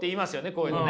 こういうのね。